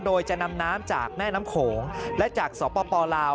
โดยจะนำน้ำจากแม่น้ำโขงและจากสปลาว